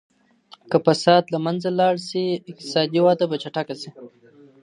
که فساد له منځه لاړ سي اقتصادي وده به چټکه سي.